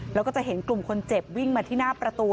แล้วก็จะเห็นกลุ่มคนเจ็บวิ่งมาที่หน้าประตู